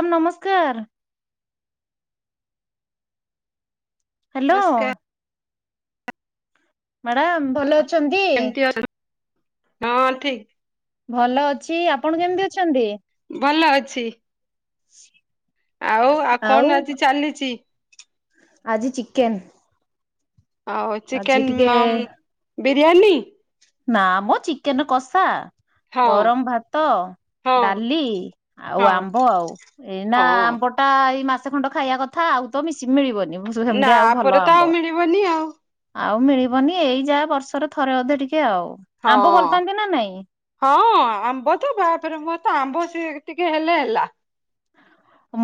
Ma'am ନମସ୍କାର। Hello. ନମସ୍କାର madam ଭଲ କେମତି [unintelligible] ହଁ ଠିକ୍। ଭଲ ଅଛି। ଆପଣ କେମତି ଅଛନ୍ତି? ଭଲ ଅଛି। ସିବ୍। ଆଉ ଆଉ କଣ ଆଜି ଚାଲିଚି? ଆଜି ଚିକେନ୍। ଆଉ ଚିକେନ୍ ଟିକେ ମ୍ ମ୍ ବିରିୟାନୀ? ନା ମ ଚିକେନ୍ କଷା, ହଁ ଗରମ ଭାତ ହଁ ଡାଲି ଆଉ ହଁ ଆମ୍ବ ଆଉ। ଏଇନା ହଁ ଆମ୍ବ ଟା ଏଇ ମାସେ ଖଣ୍ଡ ଖାଇବା କଥା। ଆଉ ତ ମିଶି ମିଳିବନି। ଏଇ ସେମିତି ଆଉ ଆ ଭଲ ପରେ ତ ଆମ୍ବ। ଆଉ ମିଳିବନି ଆଉ। ଆଉ ମିଳିବନି ଏଇ ଯା ବର୍ଷରେ ଥରେ ଅଧେ ଟିକେ ଆଉ। ଆମ୍ବ ଭଲ ହଁ‌। ପାଆନ୍ତି ନା ନାଇଁ? ହଁ ଆମ୍ବ ତ ବାହାପରେ ମୋର ତ ଆମ୍ବ ସିଏ ଟିକେ ହେଲେ ହେଲା।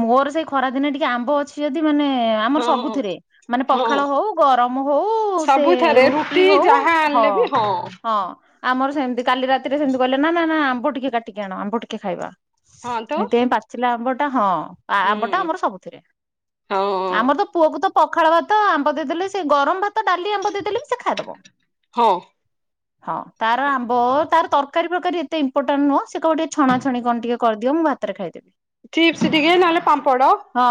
ମୋର ସେଇ ଖରାଦିନେ ଟିକେ ଆମ୍ବ ଅଛି ଯଦି ମାନେ ଆମର ହଁ। ସବୁଥିରେ ମାନେ ହଁ ପଖାଳ ହଉ ଗରମ ହଉ ସେ ସବୁଥରେ ରୁଟି ହଉ ଯାହା ହଁ। ଆଣିଲେ ବି ହଁ ଆମର ସେମତି କାଲି ରାତିରେ ସେମତି କହିଲେ ନା ନା ନା ଆମ୍ବ ଟିକେ କାଟିକି ଆଣ ଆମ୍ବ ଟିକେ ଖାଇବା। ହଁ ତ ସେଇଥିପାଇଁ ପାଚିଲା ଆମ୍ବ ଟା ହଁ। ଆମ୍ବଟା ହୁଁ ଆମର ସବୁଥିରେ ହଁ ଆମର ତ ପୁଅକୁ ତ ପଖାଳ ଭାତ ଆମ୍ବ ଦେଇଦେଲେ ସେ ଗରମ ଭାତ ଡାଲି ଆମ୍ବ ଦେଇଦେଲେ ବି ସେ ଖାଇଦବ। ହଁ। [inaudible] ହଁ ତାର ଆମ୍ବ ତାର ତରକାରୀ ଫର୍କାରି ଏତେ ଇମ୍ପୋଟାଣ୍ଟ ନୁହଁ ସେ କହିବ ଟିକେ ଛଣାଛଣି କଣ ଟିକେ କରିଦିଅ ମୁଁ ଭା ତରେ ଖାଇଦେବି। ଚିପ୍ସ ଟିକେ ନହେଲେ ପାମ୍ ପଡ଼। ହଁ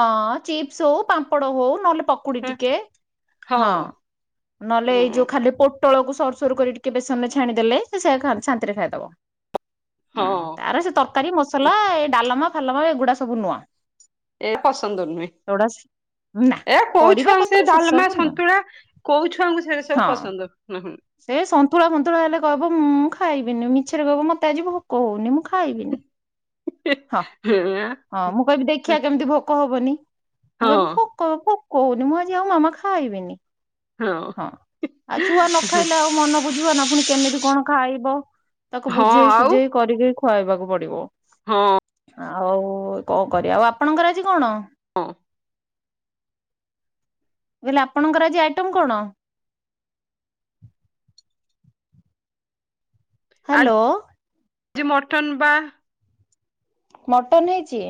ଚିପ୍ସ ହଉ ପାମ୍ପଡ ହଉ ନହେଲେ ପ କୁଡି ଟିକେ ହଁ ନହେଲେ ଏଇ ହଁ। ଯୋଉ ଖାଲି ପ ଟଳକୁ ସରୁ ସରୁ କରି ଟିକେ ବେସନ ରେ ଛାଣିଦେଲେ ସେ ଶାନ୍ତିରେ ଖାଇଦବ। ଁ ହଁ ତାର ସେ ତରକାରୀ ମସଲା ଏ ଡାଲମା ଫାଲମା ଏଗୁଡା ସବୁ ନୁଆଁ ଏ ପସନ୍ଦ ନୁହେଁ ନା ଏ ପରିବା କଉଛୁଆ ସେ ପତ୍ର ଡାଲମା ସବୁ ନୁହଁ ସନ୍ତୁଳା କୋଉ ଛୁଆଙ୍କୁ ସେ ସବୁ ହଁ। ପସନ୍ଦ ହୁ ହୁଁ। ସେ ସନ୍ତୁଳା ଫନ୍ତୁଳା ହେଲେ କହିବ ମୁଁ ଖାଇବିନି ମିଛରେ କହିବ ମତେ ଆଜିିବ ଭୋକ ହଉନି ମୁଁ ଖାଇବିନି। ହଁ। [unintelligible] ହଁ ମୁଁ କହିବି ଦେଖିବା କେମିତି ଭୋକ ହବନି ମୁଁ ହଁ କହିବି ଭୋକ ଭୋକ କହୁନି ମୁଁ ଆଜି ଆଉ ମାମା ଖାାଇବିନି ହଁ ଆଉ ଛୁଆ ନ ଖାଇଲେ ଆଉ ମନ ବୁଝିବ ନା ପୁଣି କେମିତି କଣ ଖାଇବ ତାକୁ ହଁ ବୁଝେଇ ଆଉ ସୁଝେଇ କରିକି ଖୁଆଇବାକୁ ପଡିବ। ହଁ। ଆଉ କଣ କରିବା ଆଉ ଆପଣଙ୍କର ଆଜି କଣ? [unintelligible] ମୁଁ କହିଲି ଆପଣଙ୍କର ଆଜି ଆଇଟମ କଣ? ହ୍ୟାଲୋ ଆଜି ମଟନ୍ ବା। ମଟନ ହେଇଛି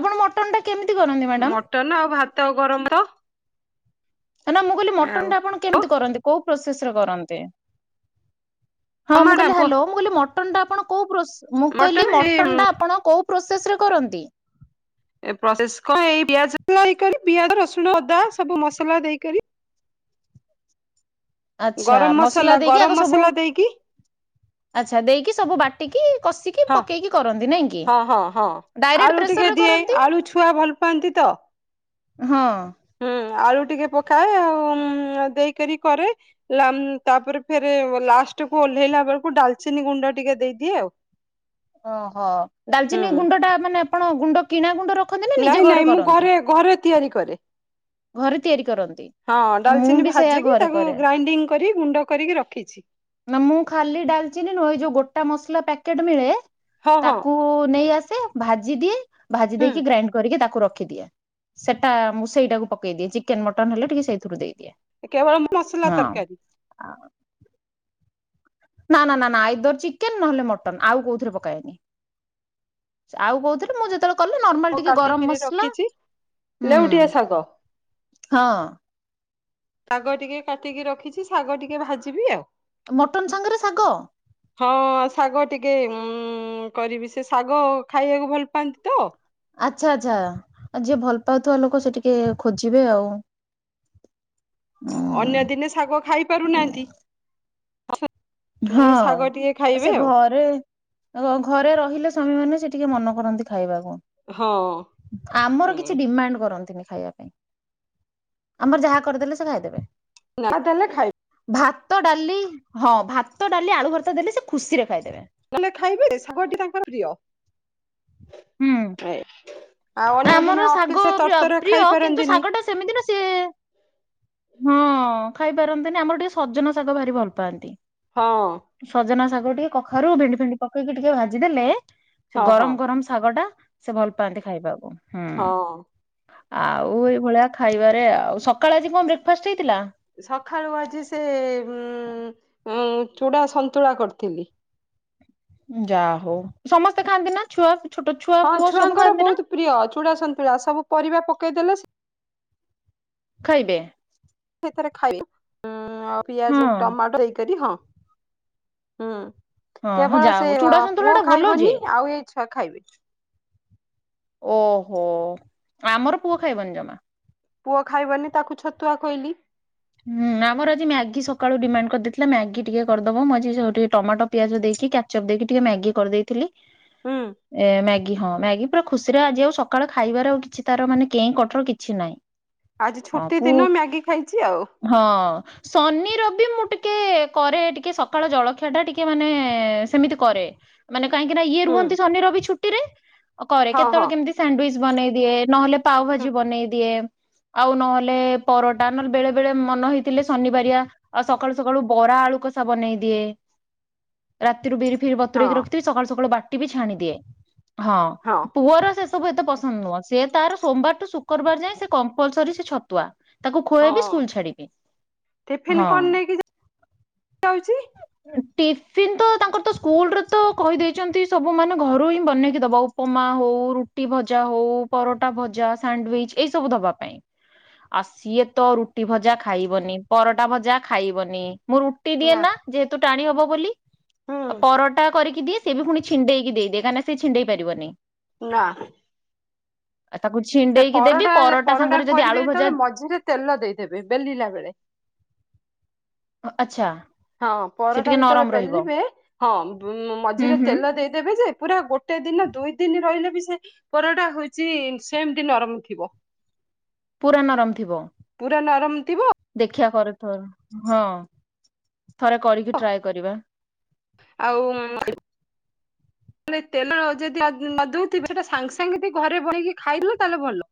ଆପଣ ମଟନ ଟା କେମିତି କରନ୍ତି ମ୍ୟାଡ଼ାମ? ମଟନ ଆଉ ଭାତ ଆଉ ଗରମ ଭାତ। ନା ମୁଁ କହିଲି ମଟନ୍ ଆଉ ଟା ଆପଣ ହଁ କେମିତି କରନ୍ତି କୋଉ ପ୍ରୋସେସରେ କରନ୍ତି। ହଁ ମୁଁ ମ୍ୟାଡାମ କହିଲି କୁହ ହ୍ୟାଲୋ ମୁଁ କହିଲି ମଟନ ଟା ଆପଣ କୋଉ ମୁଁ କହିଲି ମଟନ ଟା ଆପଣ କୋଉ ପ୍ରୋସେସରେ କରନ୍ତି। ଏ ପ୍ରୋସେସ କଣ ଏଇ ପିଆଜ ରସୁଣ ଅଦା ସବୁ ମସଲା ଦେଇକରି ଆଛା ଗରମ ମସଲା ଦେଇକି ଗରମ ଆଗ ସବୁ ମସଲା ଦେଇକି ଆଛା ଦେଇକି ସବୁ ବାଟ ଟିକି କଷିକି ହଁ ପକେଇକି କରନ୍ତି ନାଇଁ କି ହଁ ହଁ ହଁ ଡାଇରେକ୍ଟ ପ୍ରେସରରେ କରନ୍ତି। ପାନ୍ତି ତ। ହଁ। ହୁଁ ଆଳୁ ଟିକେ ପକାଏ ଆଉ ଦେଇକରି କରେ। ଲା ମ ତାପରେ ଫେରେ ଲାଷ୍ଟ କୁ ଓହ୍ଲେଇଲା ବେଳକୁ ଡାଲଚିନି ଗୁଣ୍ଡ ଟିକେ ଦେଇଦିଏ ଆଉ। ଓହୋ ହୁଁ ଡାଲଚିନି ଗୁଣ୍ଡ ଟା ମାନେ ଆପଣ ଗୁଣ୍ଡ କିଣା ଗୁଣ୍ଡ ର ନାଇଁ ନାଇଁ ମୁଁ ଘରେ ଘରେ ତିଆରି କରେ। ଘରେ ତିଆରି କରନ୍ତି। ହଁ ମୁଁ ଡାଲଚିନି ବି ସେଇୟା ଭାଜିକି ଘରେ ତାକୁ କରେ ଗ୍ରାଇଣ୍ଡିଙ୍ଗ କରି ଗୁଣ୍ଡ କରିକି ରଖିଛି। ନା ମୁଁ ଖାଲି ଡାଲଚିନି ନୁହ ଯୋଉ ଗୋଟା ମସଲା ପ୍ୟାକେଟ ମିଳେ ହଁ ହଁ ତାକୁ ନେଇ ଆସେ ଭାଜି ଦିଏ ଭାଜି ହୁଁ ଦେଇକି ଗ୍ରାଇଣ୍ଡ କରିକି ତାକୁ ରଖିଦିଏ। ସେଟା ମୁଁ ସେଇଟାକୁ ପକେଇଦିଏ ଚିକେନ ମଟନ ହେଲେ ଟିକେ ସେଇଥିରୁ ଦେଇଦିଏ। କେବଳ ମସଲା ହଁ ତରକାରୀ। ନା ନା ନା ଏର ଚିକେନ ନହେଲେ ମଟନ ଆଉ କୋଉଥିରେ ପକଏନି ଆଉ କହୁଥିଲ ମୁଁ ଯେତେବେଳେ କଲେ ନର୍ମାଲ ଟିକେ ଗରମ କାଟିକିରି ମସଲା ରଖିଛି ହୁଁ ଲେଉଟିଆ ଶାଗ ହଁ ଶାଗ ଟିକେ କାଟିକି ରଖିଛି ଶାଗ ଟିକେ ଭାଜିବି ଆଉ ମଟନ୍ ସାଙ୍ଗରେ ଶାଗ ହଁ ଶାଗ ଟିକେ ଉ କରିବି ସେ ଶାଗ ଖାଇବାକୁ ଭଲ ପାଆନ୍ତି ତ ଆଚ୍ଛା ଆଚ୍ଛା ଆ ଯିଏ ଭଲ ପାଉଥିବା ଲୋକ ସେ ଟିକେ ଖୋଜିବେ ଆଉ ଅନ୍ୟ ଦିନେ ଶାଗ ଖାଇ ଉଁ ପାରୁନାହାନ୍ତି ହଁ ଏ ଶାଗ ଟିକେ ଆ ଖାଇବେ ସେ ଆଉ ଘରେ ଆ ଘରେ ରହିଲେ ସ୍ୱାମୀ ମାନ ସେ ଟିକେ ମନ କରନ୍ତି ଖାଇବାକୁ ହଁ। ଆମର ଉଁ କିଛି ଡିମାଣ୍ଡ କରନ୍ତିନି ଖାଇବା ପାଇଁ ଆମର ଯାହା କରିଦେଲେ ସେ ଖାଇଦେବେ ନା ତାହେଲେ ଖାଇ ଭାତ ଡାଲି ହଁ ଭାତ ଡାଲି ଆଳୁ ଭର୍ତା ଦେଲେ ସେ ଖୁସିରେ ଖାଇଦେବେ କଲେ ଖାଇବେ ଶାଗଟି ତାଙ୍କର ପ୍ରିଅ ହୁଁ ଆଉ ଅନ୍ୟ ଦିନେ ଆମର ଅଫିସ ଶାଗ ରେ ତରତର ପ୍ରିୟ ଖାଇ କିନ୍ତୁ ପାରନ୍ତିନି ଶାଗଟା ସେମିତିରେ ସିଏ ହଁ ଖାଇପାରନ୍ତିନି ଆମର ଟିକେ ସଜନ ଶାଗ ଭାରି ଭଲ ପାଆନ୍ତି ହଁ ସଜନା ଶାଗ ଟିକେ କଖାରୁ ଭେଣ୍ଡି ଫେଣ୍ ପକେଇକି ଟିକେ ଭାଜି ଦେେଲେ ସେ ହଁ ହଁ। ଗରମ ଗରମ ଶାଗ ଟା ସେ ଭଲ ପାଆନ୍ତି ଖାଇବାକୁ ହୁଁ ହଁ ଆଉ ଏଇଭଳିଆ ଖାଇବାରେ ଆଉ ସକାଳେ ଆଜି କଣ ବ୍ରେକ୍ଫାଷ୍ଟ ହେଇଥିଲା ସକାଳୁ ଆଜି ସେ ଉ ଚୂଡ଼ା ସନ୍ତୁଳା କରିଥିଲି ଯା ହଉ ସମସ୍ତେ ଖାଆନ୍ତି ନା ଛୁଆ ଛୋଟ ଛୁଆ ହଁ ପୁଅ ସବୁ ଛୁଆଙ୍କର ଖାଆନ୍ତି ବହୁତ ନା ପ୍ରିୟ ଚୁଡ଼ାସନ୍ତୁଳାା ସବୁ ପରିବା ପକେଇଦେଲେ ଖାଇବେ ଖାଇବା ହଁ ପିଆଜ ଟମାଟୋ ହେଇକ ହଁ ହଁ ହଁ ହଁ କେବଳ ଯାହା ସେ ହଉ ଚୁଡା ସନ୍ତୁଳା ପୁଅ ଟା ଭଲ ଯେ। ଖାଇବନି ଆଉ ଏଇ ଛୁଆ ଖାଇବନ ଓହୋ ଆମର ପୁଅ ଖାଇବନି ଜମା ପୁଅ ଖାଇବନି ତାକୁ ଛତୁଆ କହିଲି ହୁଁ ଆମର ଆଜି ମ୍ୟାଗି ସକାଳୁ ଡିମାଣ୍ଡ କରିଦେଇଥିଲା ମ୍ୟାଗି ଟିକେ କରିଦବ ମୁଁ ଆଜିଠି ଟମାଟୋ ପିଆଜ ଦେଇକି ଚପ ଦେକି ଟିକେ ମ୍ୟାଗି କରିଦେଇଥିଲି ହୁଁ ଏ ମ୍ୟାଗି ହଁ ମ୍ୟାଗି ପୁରା ଖୁସିରେ ଆଜି ଆଉ ସକାଳେ ଖାଇବାର ଆଉ କିଛି ତାର ମାନେ କେହି କଟର କିଛି ନାହିଁ ଆଜି ହଁ ଛୁଟି ପୁ ଦିନ ମ୍ୟାଗି ଖାଇଛି ଆଉ ହଁ ଶନି ରବି ମୁଁ ଟିକେ କରେ ଟିକେ ସକାଳ ଜଳଖିଆ ଟା ଟିକେ ମାନେ ସେମିତି କରେ ମାନେ କାହିଁକି ନା ଇଏ ହୁଁ ରୁହନ୍ତି ଶନି ରବି ଛୁଟିରେ କରେ ହଁ ହଁ କେତେବେଳେ କେମିତି ସାଣ୍ଡିଚ ବନେଇ ଦିଏ ନହେଲେ ପାଓ ହଁ ଭାଜି ବନେଇ ଦିଏ ଆଉ ନହେଲେ ପରଟା ନଲେ ବେଳେ ବେଳେ ମନେ ହେଇଥିଲେ ଶନିବାରିଆ ଆଉ ସକାଳୁ ସକାଳୁ ବରା ଆଳୁ କଷା ବନେଇ ଦିଏ ରାତିରୁ ବିରି ଫିରି ବତୁରଇକି ହଁ ରଖିଥିବି ସକାଳୁ ସକାଳୁ ବାଟି ବି ଛାଣି ଦିଏ ହଁ ପୁଅର ସେ ୁତେ ପସନ୍ଦ ନୁହ ତାର ସୋମୁ ଶୁବାର ଯାଏ କଲ ଛତୁଆ ତାକୁ ଖୁବ ହଁ ସ୍କୁଲ ଛାଡିବି ଟିଫିନ ହଁ କଣ ନେଇକି ଯାଉଛି ଟିଫିିନ ତ ତାଙ୍କର ତ ସ୍କୁଲରେ ତ କହିଦେଇଛନ୍ତି ସବୁ ମାନେ ଘରୁ ହିଁ ବନେଇକି ଦବା ଆଉ ଉପମା ହଉ ରୁଟି ଭଜା ହଉ ପରଟା ଭଜା ସାଣ୍ଡିଚ ଏଇ ସବୁ ଦବା ପାଇଁ ଆଉ ସିଏ ତ ରୁ ରୁଟି ଭଜା ଖାଇବନି ପରଟା ଭଜା ଖାଇବନି ମୁଁ ରୁଟି ଦିଏ ନା ଯେହେତୁ ଟାଣି ହବ ବୋଲି ହୁଁ ଆ ପରଟା କରିକି ଦିଏ ସେ ବି ପୁଣି ଛିଣ୍ଡେଇକି ଦେଇଦିଏ କାହିଁକିନା ସେ ଛିଣ୍ଡେଇ ପାରିବନି ନା ତାକୁ ଛି। ସେ ପରଟା ପରଟା କରିବେ ଯେତେବେଳେ ମଝିରେ ତେଲ ଦେଇ ଦେବେ ବେଲିଲା ବେଳେ। ଅ ଆଚ୍ଛା। ହଁ ସେ ପରଟା ଟିକେ ଯେତେବେଳେ ନରମ ରହିବ ବେଲିବେ ହଁ ବ ହୁଁ ମଝିରେ ହୁଁ ତେଲ ଦେଇ। ଦେବେ ଯେ ପୁରା ଗୋଟେ ଦିନ ଦୁଇ ଦିନ ରହିଲେ ବି ସେ। ପରଟା ହଉଛି ସେମତି ନରମ ଥିବ। ପୁରା ନରମ ଥିବ ପୁରା ନରମ ଥିବ ଦେଖିବା କରେ ଟ ହଁ। ଥରେ କରିକି ଟ୍ରାଏ କରିବା। ଆଉ। [inaudible] ମାନେ ତେଲ ଯଦି ନ ଦଉଥିବେ ସେଟା ସାଙ୍ଗେ ସାଙ୍ଗେ ଘରେ ବନେଇକି ଖାଇଦେଲେ ତାହେଲେ ଭଲ।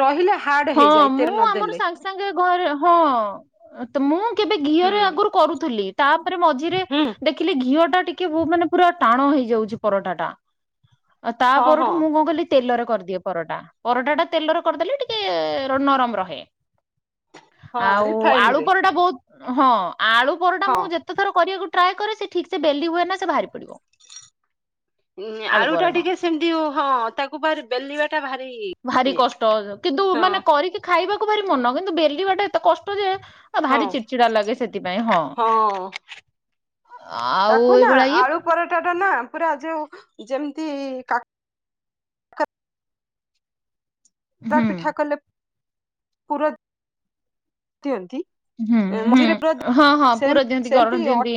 ରହିଲେ ହାର୍ଡ ହଁ ହେଇଯାଏ ମୁଁ ତେଲ ଆମର ନଦେଲେ। ସାଙ୍ଗେ ସାଙ୍ଗେ ଘରେ ହଁ ତ ମୁଁ। କେବେ ହୁଁ ଘିଅରେ ଆଗରୁ କରୁଥିଲି ତାପରେ ମଝିରେ ହୁଁ ଦେଖିଲି ଘିଅ ଟା ଟିକେ। କେ ମୁଁ ମାନେ ପୁରା ଟାଣ ହେଇଯାଉଛି ପରଟା ଟା ଆଉ ତା ହଁ ହଁ ପରଠୁ ମୁଁ କଣ କଲି କି। ତେଲରେ କରିଦିଏ ପରଟା ପରଟା ଟା ତେଲରେ କରିଦେଲେ ଟିକେ ନରମ ରହେ। ହଁ ଆଉ ଆଳୁ ରିଫାଇନରେ ପରଟା ବହୁତ ହଁ ଆଳୁ ପରଟା ହଁ। ମୁଁ ଯେ ତେ ଥର କରିବାକୁ ଟ୍ରାଏ କରେ ସେ ଠିକ୍ ସେ ବେଲି ହୁଏନା ସେ ବାହାରି ପଡିବ। ଉଁ ଆଳୁ ଟା ଟିକେ ସେମିତି ହଁ ତାକୁ ବାର ବେଲିବା ଟା ଭାରି। ଭାରି ଇଏ କଷ୍ଟ କିନ୍ତୁ ହଁ ମାନେ କରିକି ଖାଇବାକୁ ଭାରି ମନ କିନ୍ତୁ ବେଲିବାଟା ଏତେ କଷ୍ଟ ଯେ। ଏ ହଁ ଭାରି ଚିଡ଼ଚିଡ଼ା ଲାଗେ ସେଥିପାଇଁ ହଁ ଆଉ ତାକୁ ନା ଏଇଭଳିଆ ଇଏ। ଆଳୁ ପରଟା ଟା ନା ପୁରା ଯୋଉ ଯେମିତି। କାକେରା ହୁଁ ପିଠା କଲେ ପୁର ଦିଅନ୍ତି। ହୁଁ ହୁଁ ମଝିରେ ପୁର ହଁ ହଁ ପୁର ସେମତି ଦିଅନ୍ତି ଗରଣ ସେମିତି ଅ ଦିଅନ୍ତି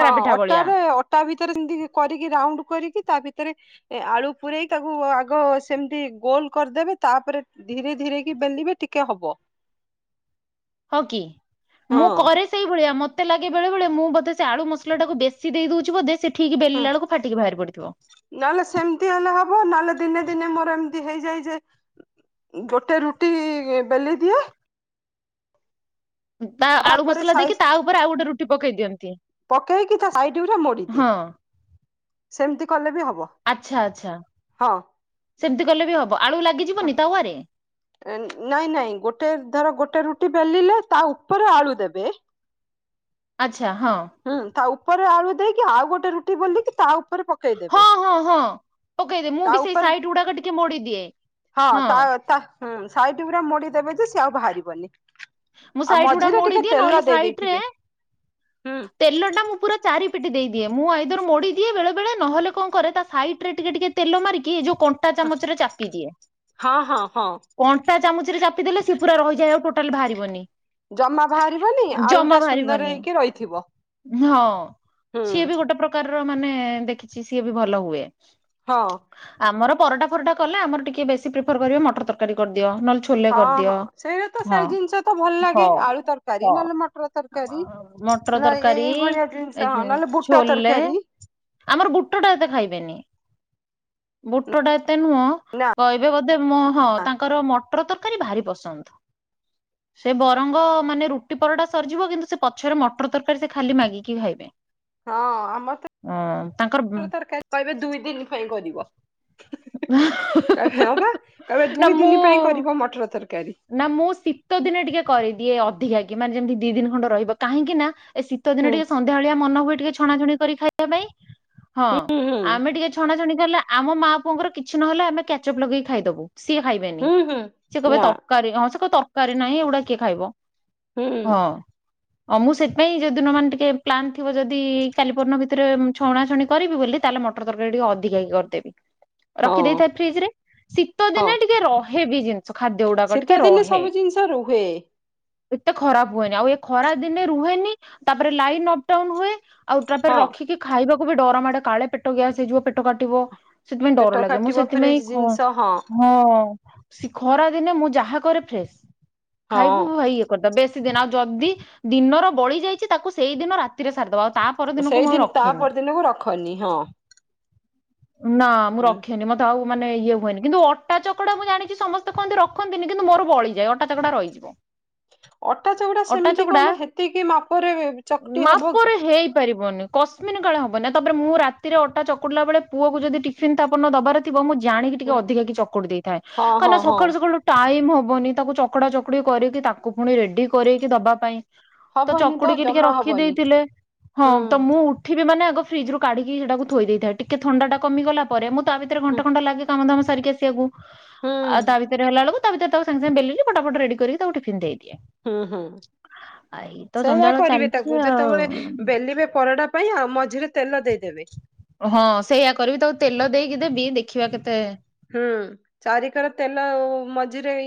ହଁ ପିଠା ଭଳିଆ ଅଟାରେ। ଖଟା ଭିତରେ ସେମତି କରିକି ରାଉଣ୍ଡ କରିକି ତା ଭିତରେ। ଏ ଆଳୁ ପୁରରେଇ ତାକୁ ଆଗ ସେମିତି ଗୋଲ କରିଦେବେ। ତାପରେ ଧୀରେ ଧୀରେ କି ବେଲିବେ ଟିକେ ହବ। ହଁ କି ମୁଁ ହଁ କରେ। ସେଇ ଭଳିଆ ମତେ ଲାଗେ ବେଳେ ବେଳେ ମୁଁ ବୋଧେ ସେ ଆଳୁ ମସଲା ଟାକୁ ବେଶି ଦେଇ ଦଉଛି ବୋଧେ ସେ। ଠିକ ହଁ ବେଲିଲା ବେଳକୁ ଫାଟିକି ବାହାରି ପଡିଥିବ। ନହେଲେ ସେମିତି ହେଲେ ହବ ନହେଲେ ଦିନେ ଦିନେ ମୋର ଏମିତି ହେଇଯାଏ ଯେ। ଗୋଟେ ରୁଟି ବେଲି ଦିଏ। ତା ଆଳୁ ଉପରେ ମସଲା ସାଇ ଦେଇକି ତା ଉପରେ ଆଉ ଗୋଟେ ରୁଟି ପକେଇ ଦିଅନ୍ତି। ପକେଇକି ତା ସାଇଟଗୁଡ଼ା ମୋଡ଼ିଦିଏ। ହଁ ସେମିତି କଲେ ବି ହବ ଆଚ୍ଛା ଆଚ୍ଛା। ହଁ। ସେମିତି କଲେ ବି ହବ ଆଳୁ ହଁ ଲାଗିଯିବନି ତାୱାରେ। ନାଇଁ ନାଇଁ ଗୋଟେ ଧର ଗୋଟେ ରୁଟି ବେଲିଲେ ତା ଉପରେ ଆଳୁ ଦେବେ। ଆଛା ହଁ। ହୁଁ ତା ଉପରେ ଆଳୁ ଦେଇକି ଆଉ ଗୋଟେ ରୁଟି ବେଲିକି ତା। ଉପରେ ପକେଇଦେବେ ହଁ ହଁ ହଁ ପକେଇ ଦିଏ ମୁଁ ତା ବି ସେଇ ଉପରେ ସାଇଟ ଗୁଡାକ ଟିକେ ମୋଡିଦିଏ। ହଁ ତା ତା ସାଇଟ୍ ଗୁରା ମୋଡିଦେବେ ଯେ ସିଏ ଆଉ ବାହାରିବନି। ମୁଁ ଆଉ ସାଇଟ୍ ଗୁଡା ମଝିରେ ମୋଡି ଟିକେ ଦିଏ ନହେଲେ ତେଲ ଦେଇ ଦେଇଥିବେ ହୁଁ। ତେଲଟା ମୁଁ ପୁରା ଚାରିପିଟି ଦେଇଦିଏ ମୁଁ ଆଇଦର ମୋଡ଼ିଦିଏ ବେଳେବେଳେ ନହଲେ କଣ କରେ ତା ସାଇଡ଼ରେ ଟିକେ ଟିକେ। ତେଲ ମାରିକି ଏଯୋଉ କଣ୍ଟା ଚାମଚରେ ଚାପି ଦିଏ। ହଁ ହଁ ହଁ। କଣ୍ଟା ଚାମୁଚିରେ ଚାପିଦେଲେ ସେ ପୁରା ରହିଯାଏ ଆଉ ଟୋଟାଲ ବାହାରିବନି। ଜମା ବାହାରିବନି ଆଳୁ ଜମା ଟା ସୁନ୍ଦର ବାହାରିବନି ହେଇକି ରହିଥିବ। ହଁ ହୁଁ ସିଏ ବି ଗୋଟେ ପ୍ରକାରର ମାନେ ଦେଖିଛି ସିଏ ବି ଭଲ ହୁଏ। ହଁ। ଆମର ପରଟା ଫରଟା କଲେ ଆମର ଟିକେ ବେଶୀ ପ୍ରିଫର କରିବେ ମଟର ତରକାରୀ କରିଦିଅ ନହଲେ ଛୋ ଛୋଲେ ହଁ କରିଦିଅ ହଁ ସେଇଟା ତ ହଁ ସେଇ ‌। ଜିନିଷ ତ ଭଲ ହ ଲାଗେ ଆଳୁ ତରକାରୀ ହ ନହେଲେ ମଟର ତରକାରୀ। ମଟର ନା ତରକାରୀ। ଏଇ ଭଳିଆ ଜିନିଷ ହଁ ନହେଲେ ବୁଟ ଛୋଲେ। ତରକାରୀ ଆମର ବୁଟ ଟା ଏତେ ଖାଇବେନି ବୁଟ ଟା ଏତେ ନୁହଁ। ନାଁ। କହିବେ ବୋଧେ ମ ହଁ ତାଙ୍କର ମଟର ତରକାରୀ ଭାରି ପସନ୍ଦ। ସେ ବରଙ୍ଗ ମାନେ ରୁଟି ପରଟା ସରିଯିବ କିନ୍ତୁ ସେ ପଛରେ ମଟର ତରକାରୀ ସେ ଖାଲି ମାଗିକି ଖାଇବେ। ହଁ ଆମର ହଁ ତାଙ୍କର ତ ତରକାରୀ କହିବେ ଦୁଇ ଦିନ ପାଇଁ କରିବ। ହଁ ବା କହିବେ ନା ଦୁଇ ମୁଁ ଦିନ ପାଇଁ କରିବ ମଟର ତରକାରୀ। ନା ମୁଁ ଶୀତ ଦିନେ ଟିକେ କରିଦିଏ ଅଧିକା କି ମାନେ ଯେମିତି ଦି ଦିନ ଖଣ୍ଡେ ରହିବ କାହିଁକି ନା ଏ ଶୀ ତ ଦିନ ହୁଁ। ଟିକେ ସନ୍ଧ୍ୟା ଭଳିଆ ମନ ହୁଏ ଟିକେ ଛଣାଛଣି କରି ଖାଇବା ପାଇଁ ହଁ ହୁଁ ହୁଁ ଆମେ ଟିକେ। ଛଣାଛଣିି କଲେ ଆମ ମା ପୁଅଙ୍କର କିଛି ନହଲେ ଆମେ କ୍ୟାଚଅପ ଲଗେଇ ଖାଇଦବୁ। ସିଏ ଖାଇବେନି ହୁଁ ହୁଁ। ସିଏ କବେ ନା ତରକାରୀ ହଁ ସେ କ ତରକାରୀ ନାହିଁ ଏଗୁଡା କିଏ ଖାଇବ? ହୁଁ ହଁ। ଆଉ ମୁଁ ସେଥିପାଇଁ ଯୋଉଦିନ ମାନେ ଟିକେ ପ୍ଲାନ୍ ଥିବ ଯଦି କାଲି ପଅରଦିନ ଭିତରେ ଛଣାଛଣି କରିବି ବୋଲି ତାହେଲେ ମ ମଟର ତରକାରୀ ଟିକେ ଅଧିକା କି କରିଦେବି। ହଁ ରଖିଦେଇଥାଏ ଫ୍ରିଜରେ ଶୀତ ହଁ ଦିନେ ଟିକେ ରହେ ବିି ଯେମ ସେ ଖାଦ୍ୟ ଗୁଡାକ ଶୀତ ଟିକେ ଦିନେ ରହେ। ସବୁ ଜିନିଷ ରୁହେ ଏତେ ଖରାପ ହୁଏନି ଆଉ ଏ ଖରା ଦିନେ ରୁହେନି ତାପରେ ଲାଇନ ଅପଡାଉନ ହୁଏ। ଆଉ ହଁ ତାପରେ ରଖିକି ଖାଇବାକୁ ବି ଡରମାଡେ କାଳେ ପେଟ ଗ୍ୟାସ ହେଇଯିବ ପେଟ କାଟିବ। ସେଥିପାଇଁ ଡର ପେଟ ଲାଗେ ମୁଁ କାଟିବ ସେଥିପାଇଁ ଫ୍ରିଜ କ ଜିନିଷ ହଁ ସେ ଖରାଦିନେ ମୁଁ ଯାହା କରେ ଫ୍ରେଶ ଖାଇବୁ ହଁ ଭାଇ ଇଏ କରିଦ ବେଶୀ ଦିନ ଆଉ ଯଦି ଦିନର ବଳି ଯାଇଛି ତାକୁ ସେଇ ଦିନ ରାତିରେ ସାରିଦବା ଆଉ ତା ପରଦିନକୁ ମୁଁ ଆଉ ସେଇଦିନ ତା ରଖେନି। ପରଦିନକୁ ରଖନି ହଁ। ନା ମୁଁ ହୁଁ ରଖନି ମତେ ଆଉ ମାନେ ଇଏ ହୁଏନି କିନ୍ତୁ ଅଟା ଚକଡା ମୁଁ ଜାଣିଛି ସମସ୍ତେ କୁହନ୍ତି ରଖନ୍ତିନି କିନ୍ତୁ ମୋର ବଳିଯାଏ ଅଟା ଚକଡା ରହି [inaudible] ଅଟା ଚଉଡା ଅଟା ସେମିତି ଚକୁଟା କଣ ହେତିକି ମାପରେ ଚକଟି ହବ କି? ମାପରେ ହେଇପାରିବନି। କସ୍ମିନ କାଳେ ହବନି ତାପରେ ମୁଁ ରାତିରେ ଅଟା ଚକୁଡିଲାବେଳେ ପୁଅକୁ ଯଦି ଟିଫିିନ ତାପର ଦିନ ଥିବ ମୁଁ ଜାଣିକି ଟିକେ ହୁଁ, ଅଧିକା କି ଚକୁଟି ଦେଇଥାଏ ହଁ ହଁ କାହିଁକିନା ହଁ ସକାଳୁ ସକାଳୁ ଟାଇମ୍ ହବନି ତାକୁ ଚକଡ଼ା ଚକୁଡ଼ି କରିକି ତାକୁ ପୁଣି ରେଡି କରେଇକି ଦବା ପାଇଁ। ତ ହବନି ଚକୁଡିକି ଟିକେ ଜମା ରଖି ହବନି ଦେଇଥିଲେ ହଁ ହୁଁ ତ ମୁଁ ଠିବି ମାନେ ଆଗ ଫ୍ରିଜରୁ କାଢ଼ିକି ସେଟାକୁ ଥୋଇଦେଇଥାଏ ଟିକେ ଥଣ୍ଡାଟା କମିଗଲା ପରେ ମୁଁ ତା ଭିତରେ ହୁଁ ଘଣ୍ଟେ କଣ୍ଟା ଲାଗେ କାମଧାମ ସାରିକି ଆସିବାକୁ ହୁଁ ଆଉ ତା ଭିତରେ ହେଲା ବେଳକୁ ତା ଭିତରେ ତାକୁ ସାଙ୍ଗେସାଙ୍ଗେ ବେଲିଲି ଫଟାଫଟ ରେଡି କରି ତାକୁ ଟିଫିନ୍ ଦେଇଦିଏ। ହୁଁ ହୁଁ ଆ ଏଇ ତ ସେଇଆ ଜଞ୍ଜାଳ କରିବେ ଚାଲିଛି ତାକୁ ଆଉ। ଯେତେବେଳେ ବେଲିବେ ପରଟା ପାଇଁ ଆଉ ମଝିରେ ତେଲ ଦେଇଦେବେ। ହଁ ସେଇଆ କରିବି ତାକୁ ତେଲ ଦେଇକି ଦେବି ଦେଖିବା କେତେ? ହୁଁ ଚାରିିକର ତେଲ ମଝିରେ ଇ